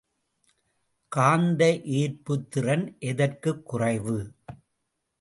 காந்த ஏற்புத்திறன் எதற்குக் குறைவு?